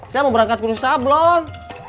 saya mau berangkat ke rusa blon